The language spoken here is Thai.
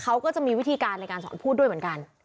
เขาก็จะมีวิธีการในการสอนพูดด้วยเหมือนกัน